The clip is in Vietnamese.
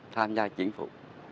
tham gia chính phủ